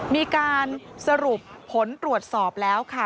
มีการสรุปผลตรวจสอบแล้วค่ะ